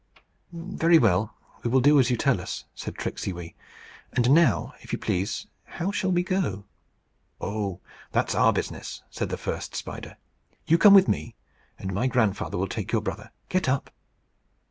"Very well; we will do as you tell us," said Tricksey Wee. "And now, if you please, how shall we go?" "Oh, that's our business," said the first spider. "You come with me, and my grandfather will take your brother. Get up."